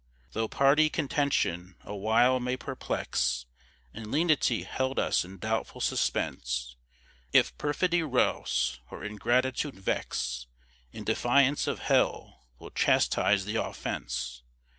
Though party contention awhile may perplex, And lenity hold us in doubtful suspense, If perfidy rouse, or ingratitude vex, In defiance of hell we'll chastise the offence.